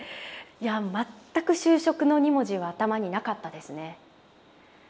いや全く就職の２文字は頭になかったですね。